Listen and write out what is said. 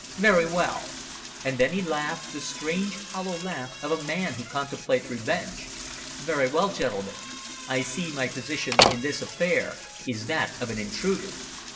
Very well!" And he laughed the strange hollow laugh of a man who contemplates revenge. "Very well, gentlemen. I see my position in this affair is that of an intruder."